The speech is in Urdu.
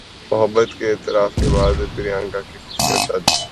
محبت کے اعتراف کے بعد پریانکا کی خفیہ شادی